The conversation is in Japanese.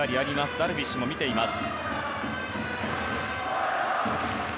ダルビッシュも見ています。